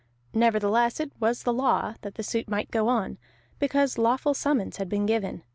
Nevertheless it was the law that the suit might go on, because lawful summons had been given.